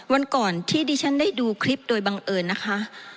วันก่อนที่ดิฉันได้ดูคลิปโดยบังเอิญนะคะ